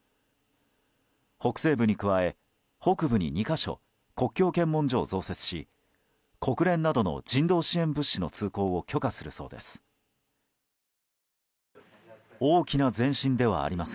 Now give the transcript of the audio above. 北西部に加え、北部に２か所国境検問所を増設し国連などの人道支援物資の通行を許可するそうです。